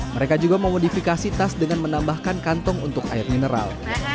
mereka juga memodifikasi tas dengan menambahkan kantong untuk air mineral